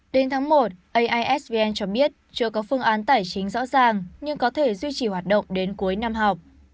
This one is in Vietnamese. đến tháng một aisvn cho biết chưa có phương án tài chính rõ ràng nhưng có thể duy trì hoạt động đến cuối năm học